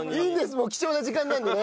もう貴重な時間なんでね。